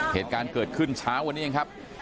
เหตุการณ์เกิดขึ้นเช้าวันนี้เองครับ